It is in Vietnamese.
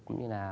cũng như là